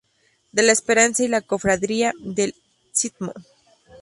De la Esperanza y la Cofradía Del Stmo.